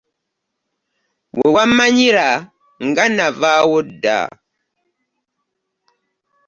We wawammanyira nga navaawo dda.